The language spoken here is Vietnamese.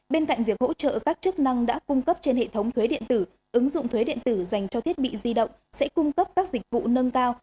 bên cạnh việc hỗ trợ các chức năng đã cung cấp trên hệ thống thuế điện tử ứng dụng thuế điện tử dành cho thiết bị di động sẽ cung cấp các dịch vụ nâng cao